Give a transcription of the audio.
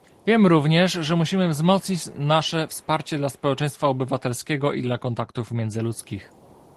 Wiem również, że musimy wzmocnić nasze wsparcie dla społeczeństwa obywatelskiego i dla kontaktów międzyludzkich